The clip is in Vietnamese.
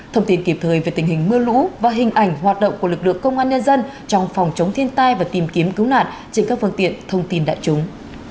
thông tin kịp thời về tình hình mưa lũ và hình ảnh hoạt động của lực lượng công an nhân dân trong phòng chống thiên tai và tìm kiếm cứu nạn trên các phương tiện thông tin đại chúng